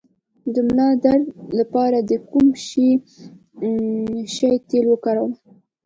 د ملا درد لپاره د کوم شي تېل وکاروم؟